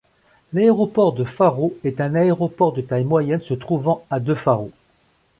L’Aéroport de Faro est un aéroport de taille moyenne se trouvant à de Faro.